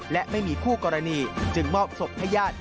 และไม่มีคู่กรณีจึงมอบศพให้ญาติ